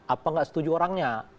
apa nggak setuju orangnya